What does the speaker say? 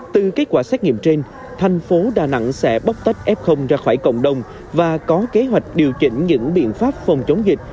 từ kết quả xét nghiệm trên thành phố đà nẵng sẽ bóc tách f ra khỏi cộng đồng và có kế hoạch điều chỉnh những biện pháp phòng chống dịch